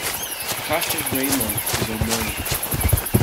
Kashta's reign length is unknown.